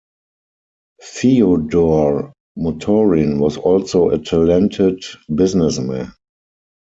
Feodor Motorin was also a talented businessman.